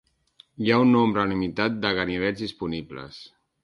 Hi ha un nombre limitat de ganivets disponibles.